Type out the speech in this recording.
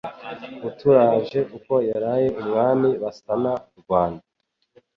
Uturaje uko yaraye Umwami Basana-Rwanda